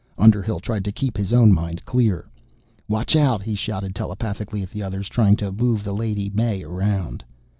Underhill tried to keep his own mind clear. "Watch out!" he shouted telepathically at the others, trying to move the Lady May around.